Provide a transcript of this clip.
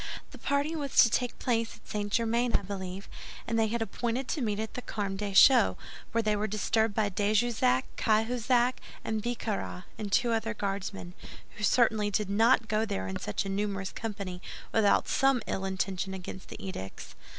The party was to take place at St. Germain, I believe, and they had appointed to meet at the Carmes Deschaux, when they were disturbed by de Jussac, Cahusac, Bicarat, and two other Guardsmen, who certainly did not go there in such a numerous company without some ill intention against the edicts."